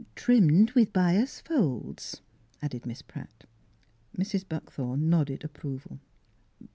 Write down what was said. " Trimmed with bias folds," added Miss Pratt. Mrs. Buckthorn nodded approval.